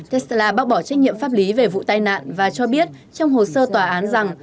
tesla bác bỏ trách nhiệm pháp lý về vụ tai nạn và cho biết trong hồ sơ tòa án rằng